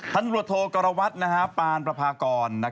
ท่านรัวโทกรวัติปานประภากร